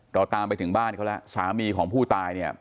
เราตามไปถึงบ้านเขาแล้วสามีของผู้ตายเนี่ย